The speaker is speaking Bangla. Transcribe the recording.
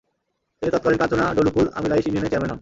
তিনি তৎকালীন কাঞ্চনা, ডলুকূল, আমিলাইষ ইউনিয়নের চেয়ারম্যান হন।